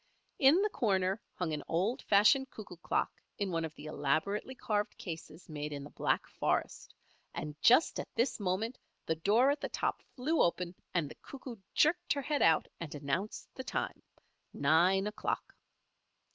In the corner hung an old fashioned cuckoo clock in one of the elaborately carved cases made in the Black Forest, and just at this moment the door at the top flew open and the Cuckoo jerked her head out and announced the time nine o'clock.